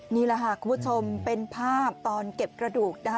นี่แหละค่ะคุณผู้ชมเป็นภาพตอนเก็บกระดูกนะคะ